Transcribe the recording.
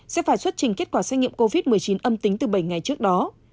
sẽ phải xuất trình kết quả xét nghiệm covid một mươi chín âm tính từ bảy ngày trước đó